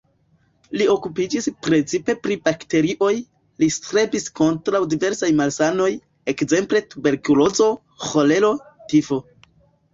Li okupiĝis precipe pri bakterioj, li strebis kontraŭ diversaj malsanoj, ekzemple tuberkulozo, ĥolero, tifo.